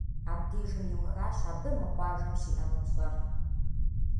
Абдежым иухащ абы мы къуажэм щиӏэну пщӏэр.